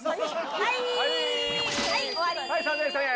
はい３０００円。